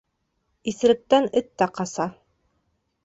Иҫеректән эт тә ҡаса.